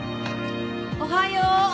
おはよう。